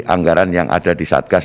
anggaran yang ada di satgas